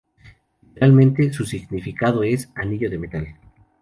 Literalmente, su significado es "anillo de metal".